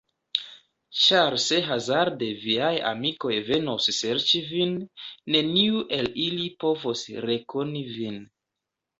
Ĉar se hazarde viaj amikoj venos serĉi vin, neniu el ili povos rekoni vin.